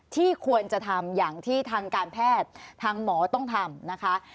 ที่ควรจะทำอย่างที่ทางการแพทย์ทางหมอต้องทำนะคะ